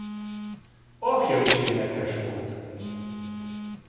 Apja is énekes volt.